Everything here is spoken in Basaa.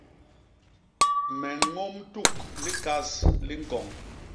Me ñôm tuk likas li ñkoñ.